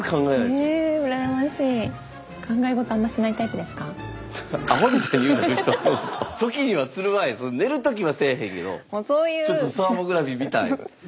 ちょっとサーモグラフィー見たい。